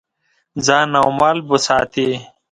ځان او مال به ساتې.